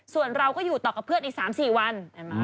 ส่วนเราก็อยู่ต่อกับเพื่อนอีก๓๔วัน